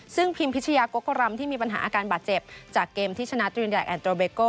ซึ่งพิมพิชยากกรำที่มีปัญหาอาการบาดเจ็บจากเกมที่ชนะตรีนใหญ่แอนโตเบโก้